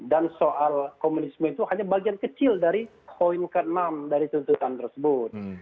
dan soal komunisme itu hanya bagian kecil dari koin ke enam dari tuntutan tersebut